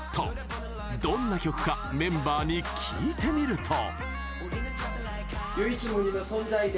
どんな曲かメンバーに聞いてみると。